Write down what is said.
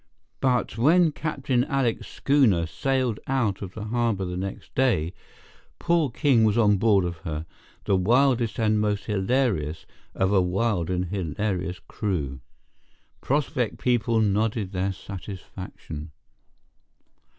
But when Captain Alec's schooner sailed out of the harbour the next day, Paul King was on board of her, the wildest and most hilarious of a wild and hilarious crew. Prospect people nodded their satisfaction.